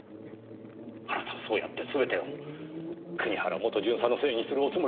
あなたはそうやって全てを国原元巡査のせいにするおつもりですか？